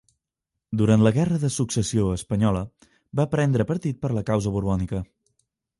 Durant la Guerra de Successió espanyola, va prendre partit per la causa borbònica.